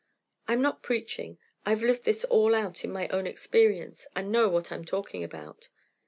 I'm not preaching; I've lived this all out, in my own experience, and know what I'm talking about.